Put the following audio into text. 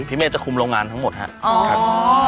เมฆจะคุมโรงงานทั้งหมดครับ